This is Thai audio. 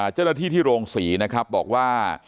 เจ้าหน้าที่ที่โรงศรีนะครับบอกว่า